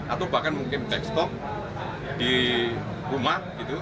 atau bahkan mungkin tekstop di rumah